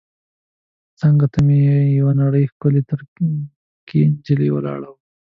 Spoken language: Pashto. څنګ ته مې یوه نرۍ ښکلې ترکۍ نجلۍ ولاړه وه.